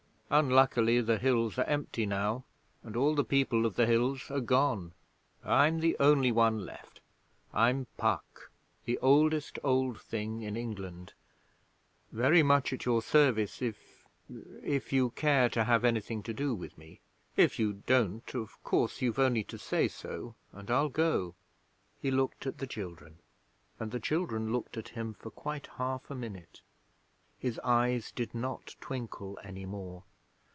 Unluckily the Hills are empty now, and all the People of the Hills are gone. I'm the only one left. I'm Puck, the oldest Old Thing in England, very much at your service if if you care to have anything to do with me. If you don't, of course you've only to say so, and I'll go.' He looked at the children, and the children looked at him for quite half a minute. His eyes did not twinkle any more.